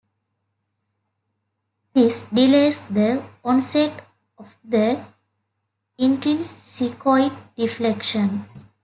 This delays the onset of the intrinsicoid deflection.